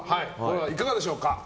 いかがでしょうか？